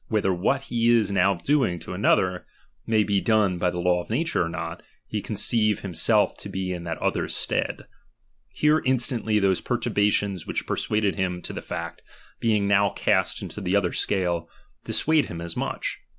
v^hether what he is now doing to another may be '' «3one by the law of nature or not, he conceive inimself to be in that other's stead. Here instantly ~*i.hose perturbations which persuaded him to the r^Eact, being now cast into the other scale, dissuade IMnim as much.